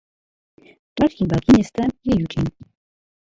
Dalším velkým městem je Eugene.